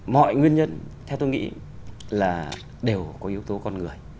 mọi nguyên nhân theo tôi nghĩ là đều có yếu tố con người